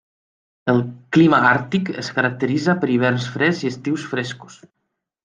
El clima àrtic es caracteritza per hiverns freds i estius frescos.